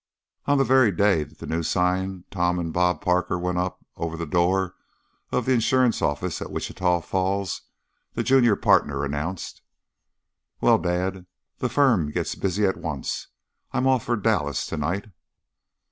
On the very day that the new sign, "Tom and Bob Parker," went up over the door of the insurance office at Wichita Falls, the junior partner announced: "Well, dad, the firm gets busy at once. I'm off for Dallas to night."